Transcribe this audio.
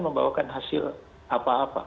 membawakan hasil apa apa